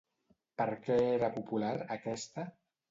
Per què era popular, aquesta?